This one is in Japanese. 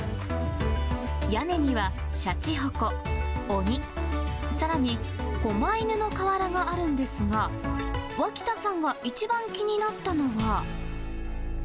屋根にはしゃちほこ、鬼、さらにこま犬の瓦があるんですが、脇田さんが一番気になったのは。